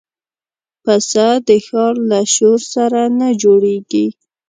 پسه د ښار له شور سره نه جوړيږي.